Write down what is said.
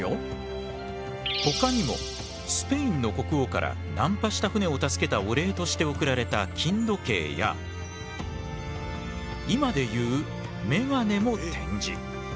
ほかにもスペインの国王から難破した船を助けたお礼として贈られた金時計や今でいうめがねも展示。